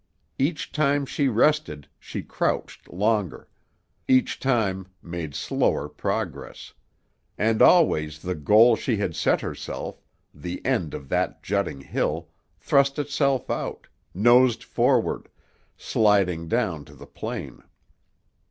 Each time she rested, she crouched longer; each time made slower progress; and always the goal she had set herself, the end of that jutting hill, thrust itself out, nosed forward, sliding down to the plain.